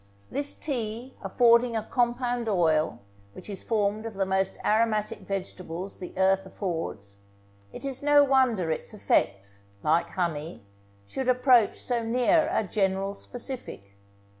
This tea affording a compound oil, which is formed of the most aromatic vegetables the earth affords, it is no wonder its effects, like honey, should approach so near a general specific.